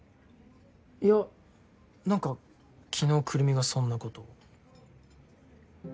いや何か昨日くるみがそんなことを。